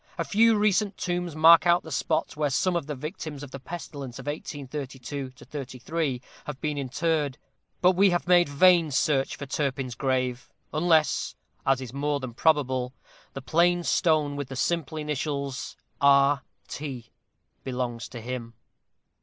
A few recent tombs mark out the spots where some of the victims of the pestilence of 1832 33 have been interred; but we have made vain search for Turpin's grave unless as is more than probable the plain stone with the simple initials R. T. belongs to him.